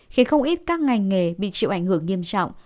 khiến không ít các ngành nghề bị chịu ảnh hưởng nghiêm trọng